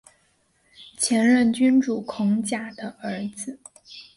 前任君主孔甲的儿子。